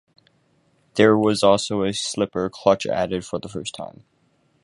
There was also a slipper clutch added for the first time.